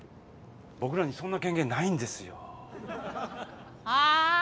僕らにそんな権限ないんですよ。はあ？